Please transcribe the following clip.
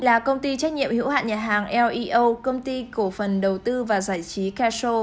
là công ty trách nhiệm hữu hạn nhà hàng leo công ty cổ phần đầu tư và giải trí caso